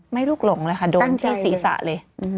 ลูกหลงเลยค่ะโดนที่ศีรษะเลย